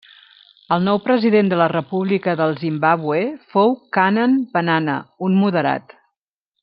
El nou president de la República del Zimbàbue fou Canaan Banana, un moderat.